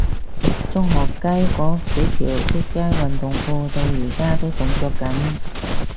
中學雞嗰幾條出街運動褲到而家都仲着緊